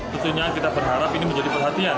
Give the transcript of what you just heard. tentunya kita berharap ini menjadi perhatian